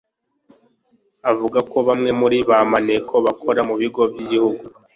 Avuga ko bamwe muri ba maneko bakora mu bigo by'igihugu